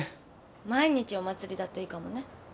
毎日お祭りだといいかもね。